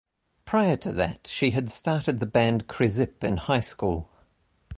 Prior to that, she had started the band Krezip in high school.